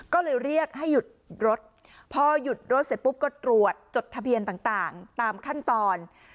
ก็เลยเรียกให้หยุดรถพอหยุดรถเสร็จปุ๊บก็ตรวจจดทะเบียนต่างตามขั้นตอน